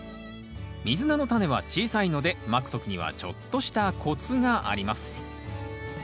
ミズナのタネは小さいのでまく時にはちょっとしたコツがあります